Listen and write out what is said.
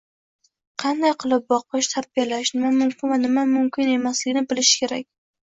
– qanday qilib boqish, tarbiyalash, nima mumkin va nima mumkin emasligini bilishi kerak.